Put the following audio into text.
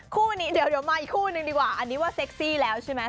คู่นี้เดี๋ยวมาอีกคู่นึงดีกว่าอันนี้ว่าเซ็กซี่แล้วใช่ไหม